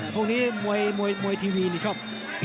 พวกนี้มวยมวยเย็นนี่ชอบ